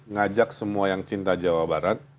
ngajak semua yang cinta jawa barat